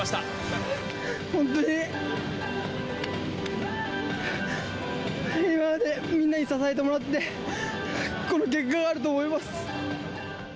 本当に、今までみんなに支えてもらって、この結果があると思います。